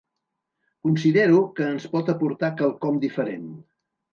Considero que ens pot aportar quelcom diferent.